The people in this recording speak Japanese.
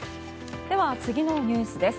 では、次のニュースです。